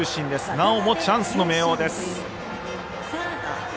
なおもチャンスの明桜です。